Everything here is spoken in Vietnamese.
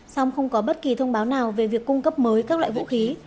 song không có bất kỳ thông báo nào về việc cung cấp mới các loại vũ khí